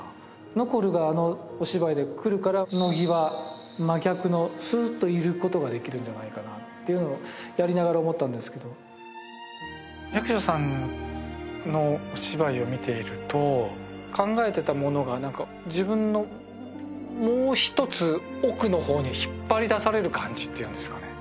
ノコルがあのお芝居でくるから乃木は真逆のスーッといることができるんじゃないかっていうのをやりながら思ったんですけど役所さんのお芝居を見ていると考えてたものが自分のもう一つ奥の方に引っ張り出される感じっていうんですかね